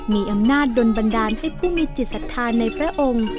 มีอำนาจโดนบันดาลให้ผู้มีจิตศรัทธาในพระองค์